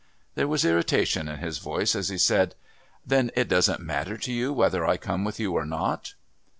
There was irritation in his voice as he said: "Then it doesn't matter to you whether I come with you or not?"